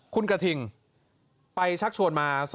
คุณกระทิงไปชักชวนมา